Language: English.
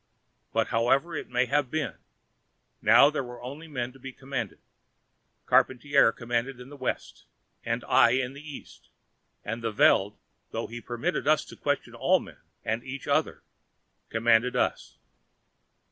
But however it may have been, now there were only men to be commanded. Charpantier commanded in the West, and I in the East, and the Veld, though he permitted us to question all men, and each other, commanded us.